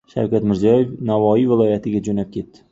Shavkat Mirziyoev Navoiy viloyatiga jo‘nab ketdi